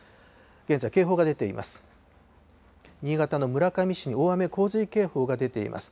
現在、警報が出ています。